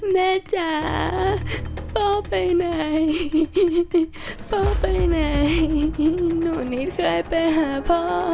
แม่จ๋าพ่อไปไหนพ่อไปไหนหนูไม่เคยไปหาพ่อ